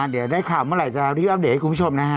เดี๋ยวได้ข่าวเมื่อไหร่จะรีบอัปเดตให้คุณผู้ชมนะฮะ